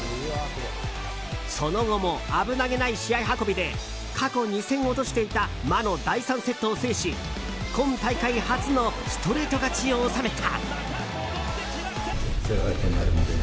その後も危なげない試合運びで過去２戦落としていた魔の第３セットを制し今大会初のストレート勝ちを収めた。